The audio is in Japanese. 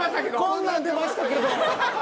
「こんなん出ましたけど！」